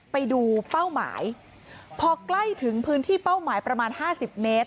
ไปดูเป้าหมายพอกล้ายถึงพื้นที่เป้าหมายประมาณห้าสิบเมตร